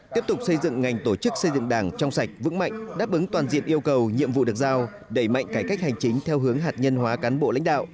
tiếp tục xây dựng ngành tổ chức xây dựng đảng trong sạch vững mạnh đáp ứng toàn diện yêu cầu nhiệm vụ được giao đẩy mạnh cải cách hành chính theo hướng hạt nhân hóa cán bộ lãnh đạo